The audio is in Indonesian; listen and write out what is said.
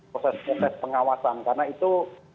proses proses pengawasan karena itu